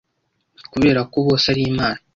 kuberako bose ari imana